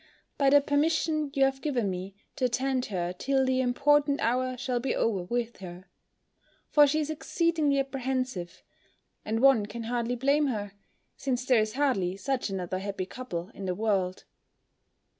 by the permission you have given me to attend her till the important hour shall be over with her; for she is exceedingly apprehensive, and one can hardly blame her; since there is hardly such another happy couple in the world.